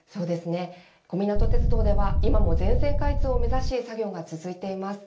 小湊鐵道では今も全線開通を目指し作業が続いています。